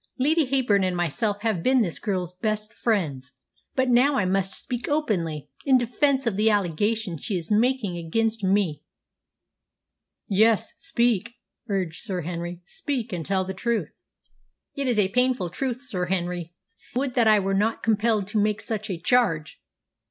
"Lady Heyburn and myself have been this girl's best friends; but now I must speak openly, in defence of the allegation she is making against me." "Yes, speak!" urged Sir Henry. "Speak and tell me the truth." "It is a painful truth, Sir Henry; would that I were not compelled to make such a charge.